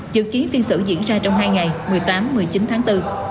dự kiến phiên xử diễn ra trong hai ngày một mươi tám một mươi chín tháng bốn